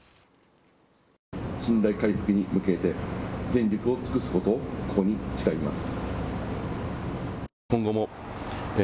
信頼回復に向けて全力を尽くすことをここに誓います。